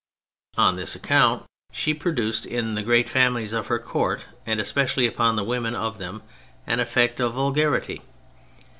On this account she produced on the great families of her court, and especially upon the women of them, an effect of vulgarity.